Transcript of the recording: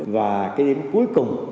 và cái điểm cuối cùng